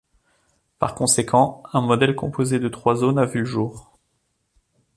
Par conséquent, un modèle composé de trois zones a vu le jour.